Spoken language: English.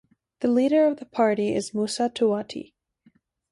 The leader of the party is Moussa Touati.